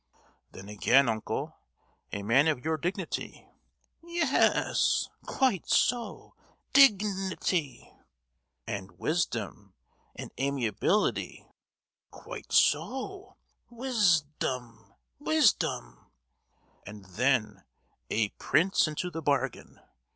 "Then again, uncle; a man of your dignity——" "Ye—yes, quite so, dig—nity!" "And wisdom,—and amiability——" "Quite so; wis—dom—wisdom!" "And then—a prince into the bargain!